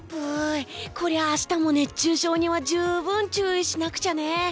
こりゃ明日も熱中症には十分注意しなくちゃね。